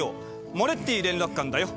モレッティ連絡官だよ。